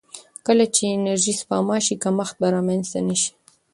کله چې انرژي سپما شي، کمښت به رامنځته نه شي.